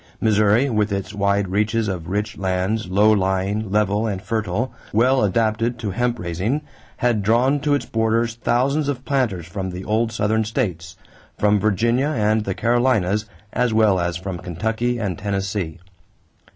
Missouri, with its wide reaches of rich lands, low lying, level, and fertile, well adapted to hemp raising, had drawn to its borders thousands of planters from the old Southern states from Virginia and the Carolinas as well as from Kentucky and Tennessee.